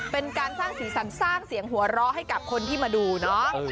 เป็นการสร้างสีสันสร้างเสียงหัวเราะให้กับคนที่มาดูเนาะ